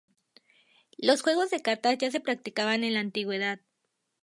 Los juegos de cartas ya se practicaban en la antigüedad.